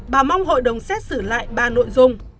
bà mong hội đồng xét xử lại ba nội dung